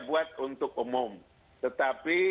buat untuk umum tetapi